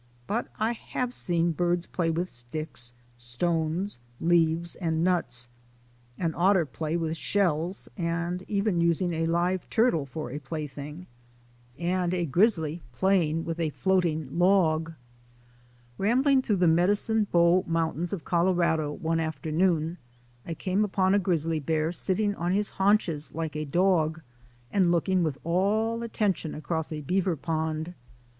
But I have seen birds play with sticks, stones, leaves, and nuts; an otter play with shells and even using a live turtle for a plaything; and a grizzly playing with a floating log. Rambling through the Medicine Bow Mountains of Colorado, one afternoon, I .came upon a grizzly bear sitting on his haunches like a dog and looking 2o6 THE ADVENTURES OF A NATURE GUIDE with all attention across a beaver pond.